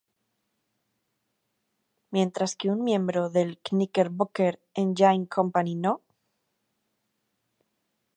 Mientras que un miembro del "Knickerbocker Engine Company No.